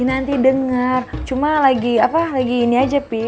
nanti denger cuma lagi apa lagi ini aja pih